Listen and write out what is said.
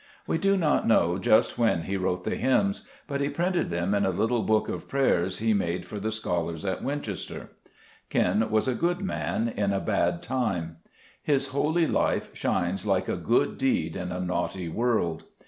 We do not know just when he wrote the hymns, but he printed them in a little book of 9 Zhe Meet Cburcb 1b*>mns* prayers he made for the scholars at Winchester. Ken was a good man in a bad time. His holy life shines like "a good deed in a naughty world."